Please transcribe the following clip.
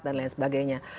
dan lain sebagainya